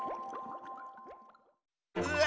うわ！